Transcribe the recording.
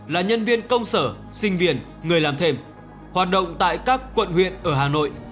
là nhân viên công sở sinh viên người làm thêm hoạt động tại các quận huyện ở hà nội